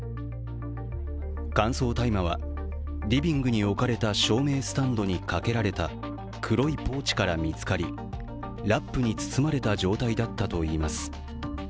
乾燥大麻はリビングに置かれた照明スタンドにかけられた黒いポーチから見つかりラップに包まれた状態だったといいます。